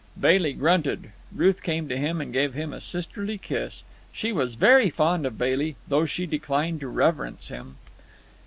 Bailey grunted. Ruth came to him and gave him a sisterly kiss. She was very fond of Bailey, though she declined to reverence him.